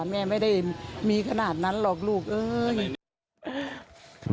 แม่ไม่ได้มีขนาดนั้นหรอกลูกเอ้ย